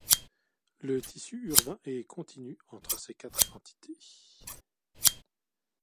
Le tissu urbain est continu entre ces quatre entités.